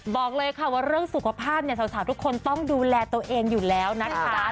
บอกเลยค่ะว่าเรื่องสุขภาพเนี่ยสาวทุกคนต้องดูแลตัวเองอยู่แล้วนะคะ